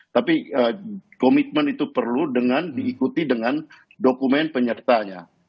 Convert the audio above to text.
tapi komitmen itu perlu dengan diikuti dengan dokumen penyertanya